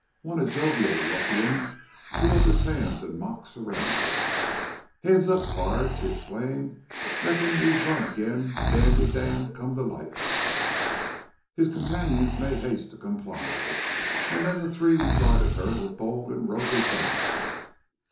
One, a jovial ruffian, threw up his hands in mock surrender. "Hands up, pards!" he exclaimed. "Reckon we've run agin' Dandy Dale come to life." His companions made haste to comply and then the three regarded her with bold and roguish eyes.